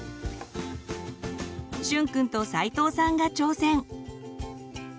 しゅんくんと齋藤さんが挑戦！